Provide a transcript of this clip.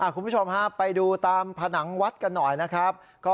คุณผู้ชมฮะไปดูตามผนังวัดกันหน่อยนะครับ